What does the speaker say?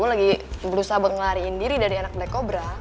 lagi berusaha ngelariin diri dari anak black cobra